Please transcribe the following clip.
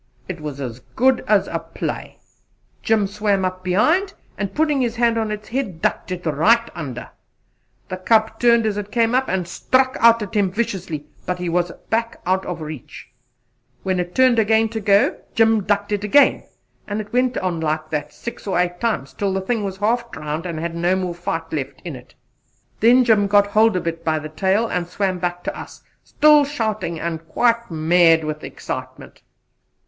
It was as good as a play. Jim swam up behind, and putting his hand on its head ducked it right under: the cub turned as it came up and struck out at him viciously, but he was back out of reach: when it turned again to go Jim ducked it again, and it went on like that six or eight times, till the thing was half drowned and had no more fight in it. The Jim got hold of it by the tail and swam back to us, still shouting and quite mad with excitement.